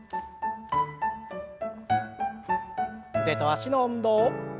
腕と脚の運動。